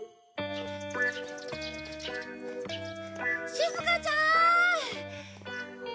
しずかちゃん！